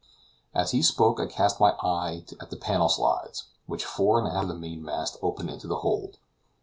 As he spoke I cast my eye at the panel slides, which fore and aft of the main mast open into the hold.